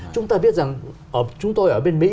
chúng ta biết rằng chúng tôi ở bên mỹ